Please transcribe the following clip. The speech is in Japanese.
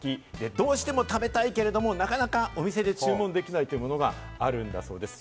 どうしても食べたいけれども、なかなかお店で注文できないというものがあるんだそうです。